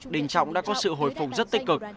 đình trọng đã có sự hồi phục rất tích cực